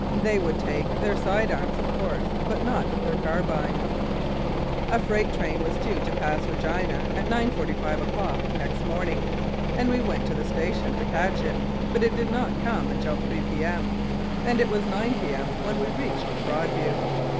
They would take their side arms, of course, but not their carbines. A freight train was due to pass Regina at 9.45 o'clock next morning, and we went to the station to catch it, but it did not come in until 3 P.M., and it was 9 P.M. when we reached Broadview.